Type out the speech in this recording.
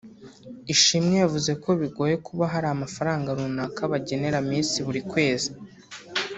Ishimwe yavuze ko bigoye kuba hari amafaranga runaka bagenera Miss buri kwezi